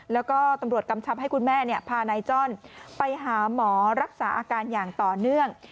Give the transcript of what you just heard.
แล้วก็ตำรวจกำชับให้คุณแม่พานายจ้อนไปหาหมอรักษาอาการอย่างต่อเนื่อง